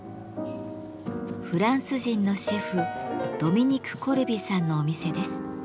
フランス人のシェフドミニク・コルビさんのお店です。